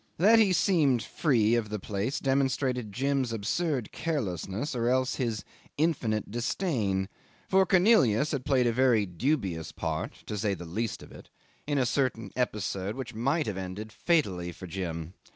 That he seemed free of the place demonstrated Jim's absurd carelessness or else his infinite disdain, for Cornelius had played a very dubious part (to say the least of it) in a certain episode which might have ended fatally for Jim.